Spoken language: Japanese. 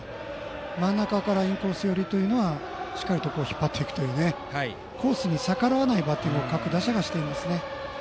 真ん中からインコース寄りはしっかりと引っ張っていくということでコースに逆らわないバッティングを各打者がしていますね。